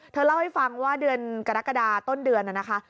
เล่าให้ฟังว่าเดือนกรกฎาต้นเดือนน่ะนะคะ